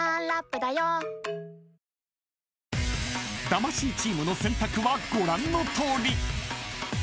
［魂チームの選択はご覧のとおり］